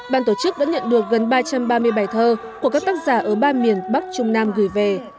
ban tổ chức đã nhận được gần ba trăm ba mươi bài thơ của các tác giả ở ba miền bắc trung nam gửi về